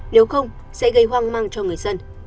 nếu không sẽ gây hoang măng cho người dân